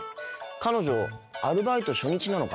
彼女アルバイト初日なのかな。